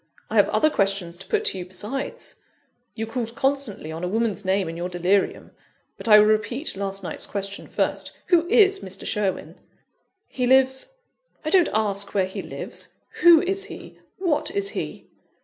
I have other questions to put to you, besides you called constantly on a woman's name in your delirium. But I will repeat last night's question first who is Mr. Sherwin?" "He lives " "I don't ask where he lives. Who is he? What is he?"